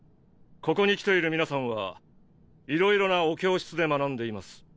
ここに来ている皆さんはいろいろなお教室で学んでいます。